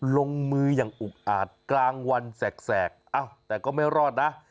ลงมือยังอุบอาดกลางวันแสกอ้าวแต่ก็ไม่รอดนะ